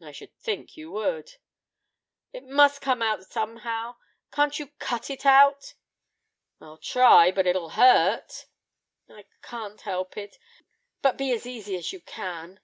"I should think you would." "It must come out somehow; can't you cut it out?" "I'll try; but it'll hurt." "I can't help it; but be as easy as you can."